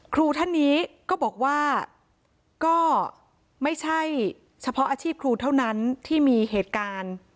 ครูท่านนี้ก็บอกว่าก็ไม่ใช่เฉพาะอาชีพครูเท่านั้นที่มีเหตุการณ์